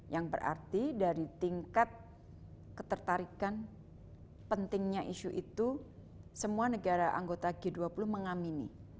yang berarti dari tingkat ketertarikan pentingnya isu itu semua negara anggota g dua puluh mengamini